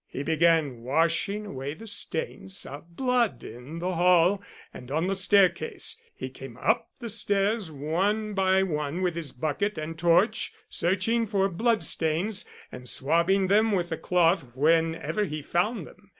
He began washing away the stains of blood in the hall, and on the staircase. He came up the stairs one by one with his bucket and torch, searching for blood stains, and swabbing them with the cloth whenever he found them.